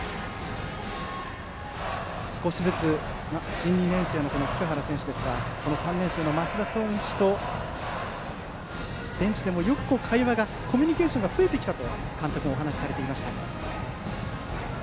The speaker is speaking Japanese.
新２年生の福原選手ですが３年生の升田投手とベンチでもよく会話してコミュニケーションが増えたと監督も話されていました。